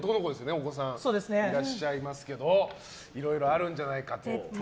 お子さんがいらっしゃいますけどいろいろあるんじゃないかと。